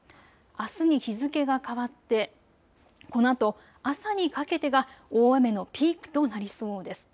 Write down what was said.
あすに日付けが変わってこのあと朝にかけてが大雨のピークとなりそうです。